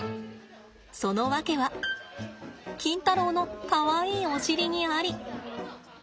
そのわけはキンタロウのかわいいお尻にあり。